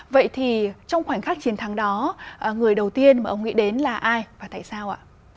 vậy thì trong khoảnh khắc chiến thắng đó người đầu tiên mà ông nghĩ đến là ai và tại sao ạ